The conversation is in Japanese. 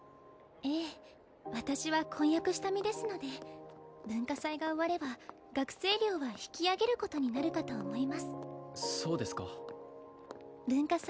ええ私は婚約した身ですので文化祭が終われば学生寮は引きあげることになるかと思いますそうですか文化祭